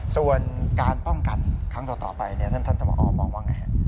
ส่วนการป้องกันครั้งต่อไปท่านท่านท่านหมอบอกว่าไง